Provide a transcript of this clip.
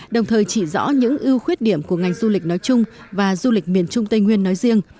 đồng thời chỉ rõ những ưu khuyết điểm của ngành du lịch nói chung và du lịch miền trung tây nguyên nói riêng